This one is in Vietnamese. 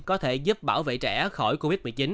có thể giúp bảo vệ trẻ khỏi covid một mươi chín